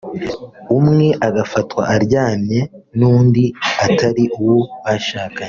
umwe agafatwa aryamanye n’undi utari uwo bashakanye